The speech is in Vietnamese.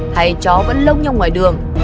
hay chó vẫn lông nhông ngoài đường